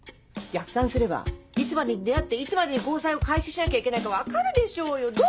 逆算すればいつまでに出会っていつまでに交際を開始しなきゃいけないか分かるでしょうよ！